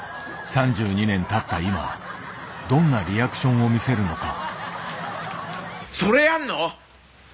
３２年たった今どんなリアクションを見せるのか。